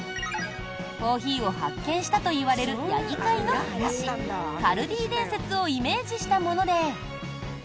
コーヒーを発見したといわれるヤギ飼いの話「カルディ伝説」をイメージしたもので。